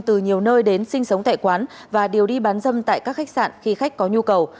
từ nhiều nơi đến sinh sống tại quán và điều đi bán dâm tại các khách sạn khi khách có nhu cầu